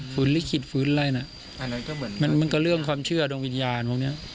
ลิขิตฝืนอะไรน่ะอะไรก็เหมือนมันมันก็เรื่องความเชื่อดวงวิญญาณพวกเนี้ย